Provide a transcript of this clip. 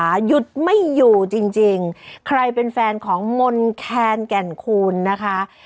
หยุดไม่อยู่จริงจริงใครเป็นแฟนของมนแคนแก่นคูณนะคะ